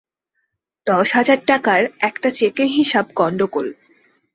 দশ হাজার টাকার একটা চেকের হিসাব গণ্ডগোল।